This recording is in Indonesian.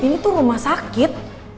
ini tuh rumah sakit